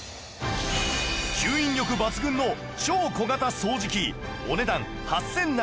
吸引力抜群の超小型掃除機お値段８７７８円